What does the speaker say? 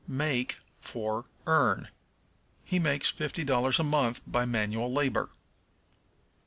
Make for Earn. "He makes fifty dollars a month by manual labor."